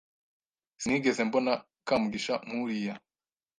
Sinigeze mbona Kamugisha nkuriya.